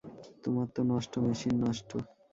তোমারতো নষ্ট মেশিন, নষ্ট।